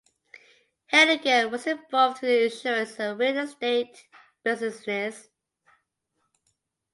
Hennigan was involved in the insurance and real estate businesses.